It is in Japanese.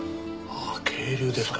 ああ渓流ですか。